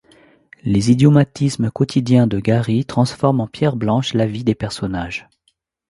Les idiomatismes quotidiens de Gary transforment en pierres blanches la vie des personnages.